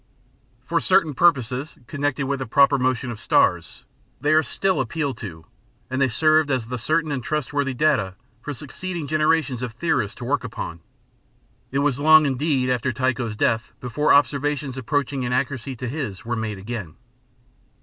For certain purposes connected with the proper motion of stars they are still appealed to, and they served as the certain and trustworthy data for succeeding generations of theorists to work upon. It was long, indeed, after Tycho's death before observations approaching in accuracy to his were again made.